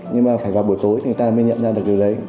nhưng mà phải vào buổi tối thì ta mới nhận ra được điều đấy